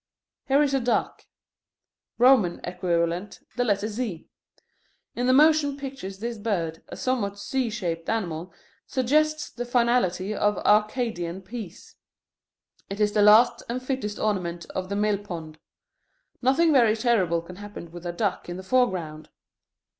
Here is a duck: Roman equivalent, the letter Z. In the motion pictures this bird, a somewhat z shaped animal, suggests the finality of Arcadian peace. It is the last and fittest ornament of the mill pond. Nothing very terrible can happen with a duck in the foreground.